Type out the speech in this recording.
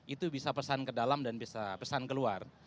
itu bisa pesan ke dalam dan bisa pesan keluar